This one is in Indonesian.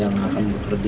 yang akan bekerja